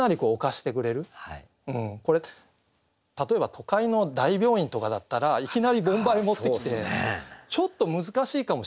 これ例えば都会の大病院とかだったらいきなり盆梅持ってきてちょっと難しいかもしれないですよね。